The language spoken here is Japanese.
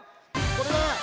これだ。